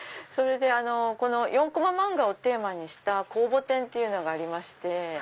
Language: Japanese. それで４こま漫画をテーマにした公募展っていうのがありまして。